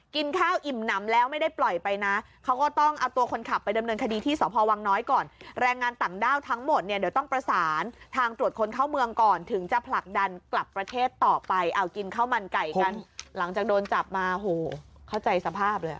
กินข้าวมันไก่กันหลังจากโดนจับมาโหเข้าใจสภาพเลย